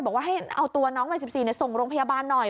บอกว่าให้เอาตัวน้องวัย๑๔ส่งโรงพยาบาลหน่อย